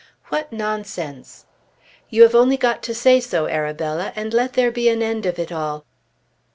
"What nonsense!" "You have only got to say so, Arabella, and let there be an end of it all."